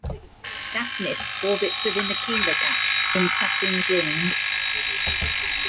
Daphnis orbits within the Keeler gap in Saturn's rings.